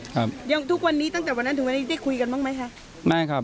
ยังทุกวันนี้ตั้งแต่วันนั้นถึงวันนี้ได้คุยกันบ้างไหมคะ